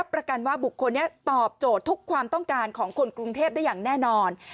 ประกันว่าบุคคลนี้ตอบโจทย์ทุกความต้องการของคนกรุงเทพได้อย่างแน่นอน